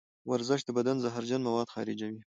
ورزش د بدن زهرجن مواد خارجوي.